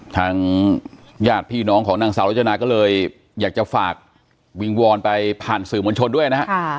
ทางญาติพี่น้องของนางสาวรจนาก็เลยอยากจะฝากวิงวอนไปผ่านสื่อมวลชนด้วยนะฮะ